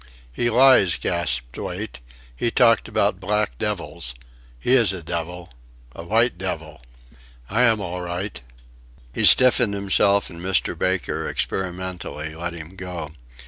"He lies," gasped Wait, "he talked about black devils he is a devil a white devil I am all right." He stiffened himself, and Mr. Baker, experimentally, let him go.